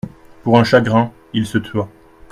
Pour un chagrin, il se tua.